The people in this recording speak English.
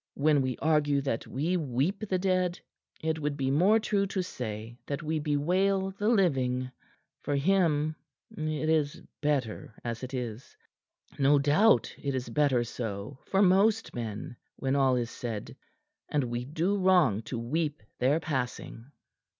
When we argue that we weep the dead, it would be more true to say that we bewail the living. For him it is better as it is. No doubt it is better so for most men, when all is said, and we do wrong to weep their passing."